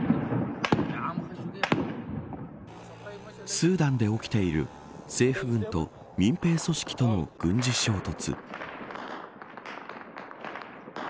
スーダンで起きている政府軍と民兵組織との軍事衝突。